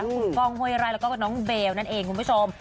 คุณก้องห้วยไร่แล้วก็น้องเบลนั่นเองคุณผู้ชม